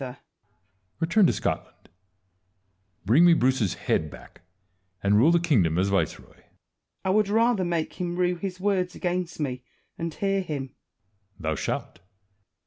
Edward. Return to Scotland ; bring me Bruce's head back ; and rule the kingdom as viceroy. Wallace. I would rather make him rue his words against me, and hear him. Edward. Thou shalt.